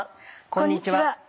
こんにちは。